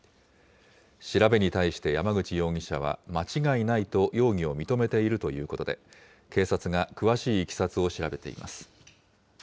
調べに対して山口容疑者は、間違いないと容疑を認めているということで、警察が詳しいいきさつを調べています。